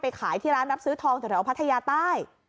ขายที่ร้านรับซื้อทองแถวพัทยาใต้